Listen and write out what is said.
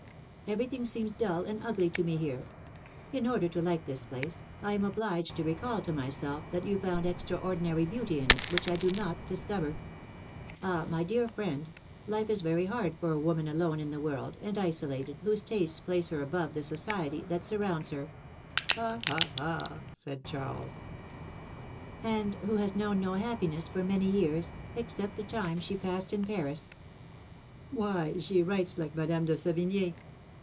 — Everything seems dull and ugly to me here; in order to like this place, I am obliged to recall to myself, that you found extraordinary beauty in it, which I do not dis cover. Ah ! my dear friend, life is very hard for a woman alone in the world, and isolated, whose tastes place her above the society that surrounds her —" ^^Ah ! ah ! ah !" said Charles. And who has known no happiness for many years, except the time she passed in Paris —" Why, she writes like Madame de Sevign6 !